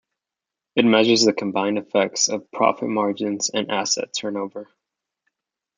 It measures the combined effects of profit margins and asset turnover.